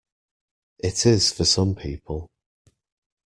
It is for some people.